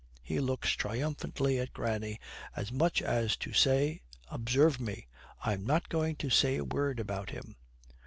He looks triumphantly at granny as much as to say, 'Observe me; I'm not going to say a word about him.'